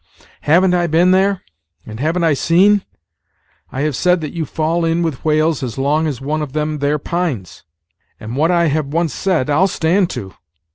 "Haven't I been there, and haven't I seen? I have said that you fall in with whales as long as one of them there pines: and what I have once said I'll stand to!"